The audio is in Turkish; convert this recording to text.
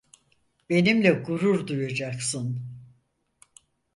Benimle gurur duyacaksın.